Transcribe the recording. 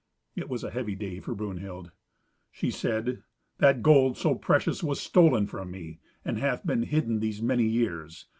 It was a heavy day for Brunhild. She said, "That gold so precious was stolen from me, and hath been hidden these many years.